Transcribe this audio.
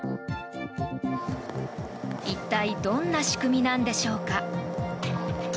一体どんな仕組みなんでしょうか。